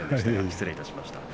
失礼しました。